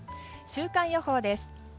週間予報です。